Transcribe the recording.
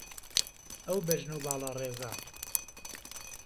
ئهو بهژن و باڵا رێزه